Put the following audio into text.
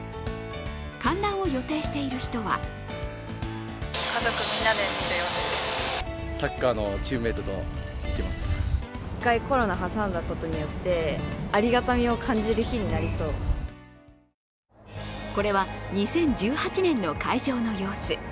観覧を予定している人はこれは２０１８年の会場の様子。